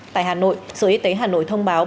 tại hà nội sở y tế hà nội thông báo